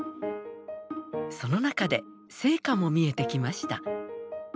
その中で成果も見えてきました。